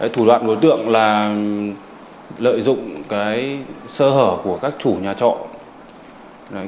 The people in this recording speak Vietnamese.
thủ đoạn của đối tượng là lợi dụng sơ hở của các chủ nhà trọ